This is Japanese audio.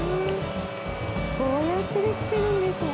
こうやってできてるんですね。